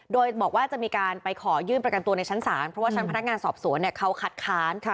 โดยบอกว่าจะมีการไปขอยื่นประกันตัวในชั้นศาลเพราะว่าชั้นพนักงานสอบสวนเขาคัดค้าน